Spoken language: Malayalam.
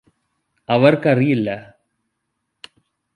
അവർക്കറിയില്ലാ